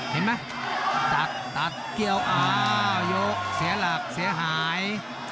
เห็นไหมตัดตัดเกี่ยวอ้าวยกเสียหลักเสียหาย